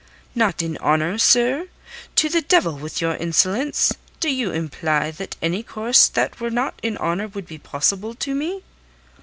"Not in honour, sir? To the devil with your insolence! Do you imply that any course that were not in honour would be possible to me?"